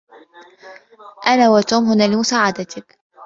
أنا وتوم هنا لمساعدتك.